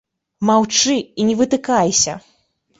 Маўчы і не вытыкайся.